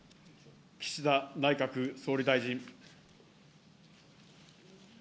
岸田内閣総理大臣。